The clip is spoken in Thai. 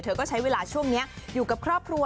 ก็ใช้เวลาช่วงนี้อยู่กับครอบครัว